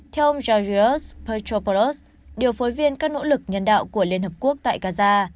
theo ông georgios petropoulos điều phối viên các nỗ lực nhân đạo của liên hợp quốc tại gaza